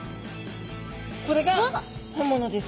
これが本物です。